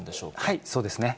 はい、そうですね。